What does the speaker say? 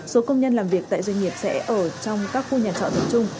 số công nhân làm việc tại doanh nghiệp sẽ ở trong các khu nhà trọ tập trung